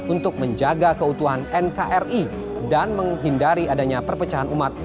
untuk menjaga keutuhan nkri dan menghindari adanya perpecahan umat